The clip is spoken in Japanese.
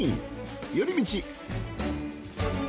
寄り道。